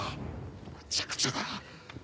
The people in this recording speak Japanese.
むちゃくちゃだな。